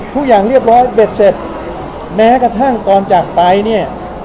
ทุกอย่างเรียบร้อยเบ็ดเสร็จแม้กระทั่งตอนจากไปเนี่ย